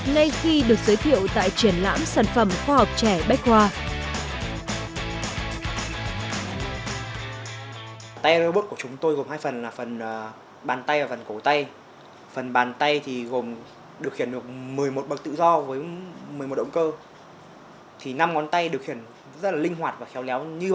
ngay khi được giới thiệu